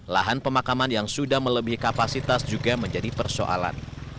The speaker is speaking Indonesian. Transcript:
lahan pemakaman yang sudah melebihi kapasitas juga menjadi persoalan